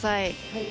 はい。